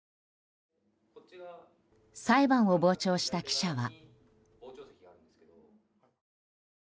裁判を傍聴した記者は。